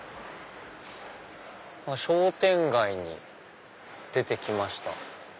商店街に出てきました。